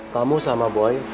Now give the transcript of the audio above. kamu sama boy harus berhati hati